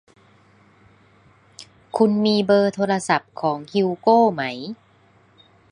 คุณมีเบอร์โทรศัพท์ของฮิวโกไหม